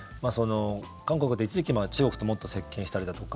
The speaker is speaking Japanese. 韓国って一時期中国ともっと接近したりだとか